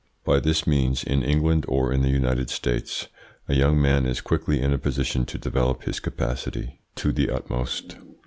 By this means in England or the United States a young man is quickly in a position to develop his capacity to the utmost.